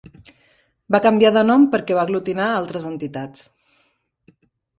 Va canviar de nom perquè va aglutinar altres entitats.